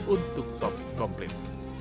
untuk topping komplit